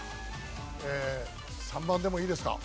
３番でもいいですか？